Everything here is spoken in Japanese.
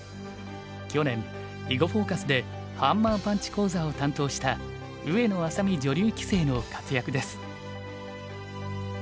去年「囲碁フォーカス」でハンマーパンチ講座を担当した上野愛咲美女流棋聖の活躍です。